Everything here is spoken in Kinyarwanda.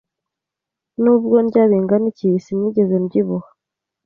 Nubwo ndya bingana iki, sinigeze mbyibuha.